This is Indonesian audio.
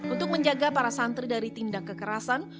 untuk menjaga para santri dari sebuah tindakan yang terlalu keras